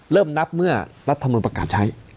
เริ่มนับเมื่อรัฐมนุนประกาศใช้